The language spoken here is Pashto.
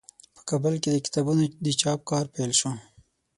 په کابل کې د کتابونو د چاپ کار پیل شو.